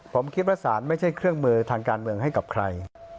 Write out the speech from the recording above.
ผมคิดว่าศาลไม่ใช่เครื่องมือทางการเมืองให้กับใคร